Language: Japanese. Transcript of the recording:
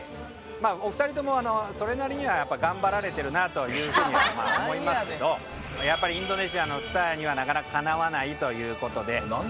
まあお二人ともそれなりにはやっぱ頑張られてるなというふうには思いますけどやっぱりインドネシアのスターにはなかなかかなわないという事で。